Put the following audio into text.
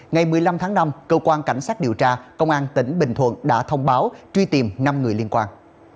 ngày một mươi năm tháng năm cơ quan cảnh sát điều tra công an tỉnh bình thuận đã thông báo truy tìm năm người liên quan